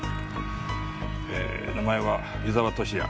えー名前は湯沢敏也。